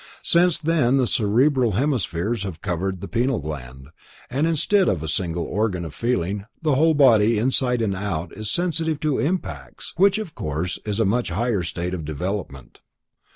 Since then the cerebral hemispheres have covered the pineal gland, and instead of a single organ of feeling, the whole body inside and out is sensitive to impacts, which of course is a much higher state of development.